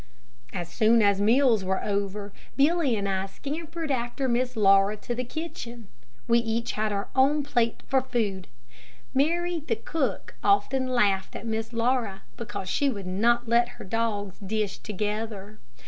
As soon as meals were over, Billy and I scampered after Miss Laura to the kitchen. We each had our own plate for food. Mary the cook often laughed at Miss Laura, because she would not let her dogs "dish" together.